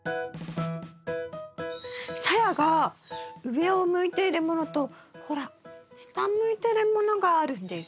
さやが上を向いているものとほら下向いてるものがあるんです。